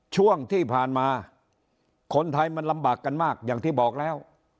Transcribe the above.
ช่วงที่ผ่านมาคนไทยมันลำบากกันมากอย่างที่บอกแล้ว